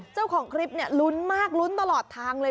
เจ้าของคลิปเนี่ยลุ้นมากลุ้นตลอดทางเลย